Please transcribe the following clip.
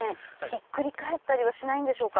ひっくり返ったりはしないんでしょうか？